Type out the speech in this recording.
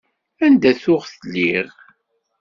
Anda tuɣ lliɣ?